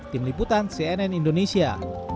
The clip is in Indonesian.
tim liputan cnn indonesia